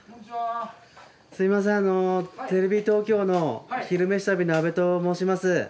すみませんテレビ東京の「昼めし旅」の阿部と申します。